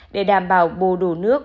để đảm bảo bù đủ nước